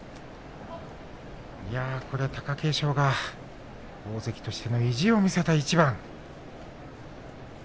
貴景勝が大関としての意地を見せた一番。